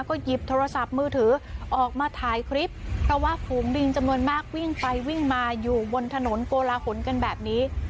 ก็หยิบโทรศัพท์มือถือออกมาถ่ายคลิปเพราะว่าฝูงลิงจำนวนมากวิ่งไปวิ่งมาอยู่บนถนนโกลาหลกันแบบนี้